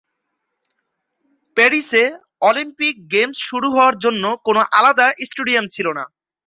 প্যারিসে Olympic games শুরু হওয়ার জন্য কোন আলাদা স্টেডিয়াম ছিল না।